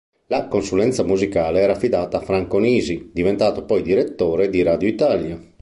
La consulenza musicale era affidata a Franco Nisi, diventato poi direttore di Radio Italia.